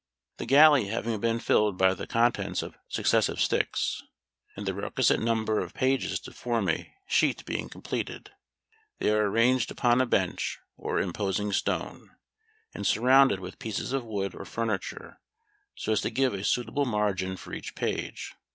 The galley having been filled by the contents of successive sticks, and the requisite number of pages to form a sheet being completed, they are arranged upon a bench or "imposing stone," and surrounded with pieces of wood, or "furniture," so as to give a suitable margin for each page.